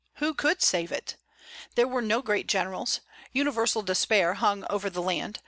Who could save it? There were no great generals. Universal despair hung over the land.